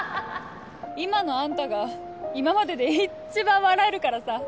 今のあんたが今までで一番笑えるからさ！